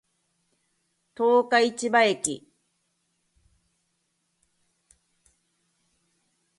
十日市場駅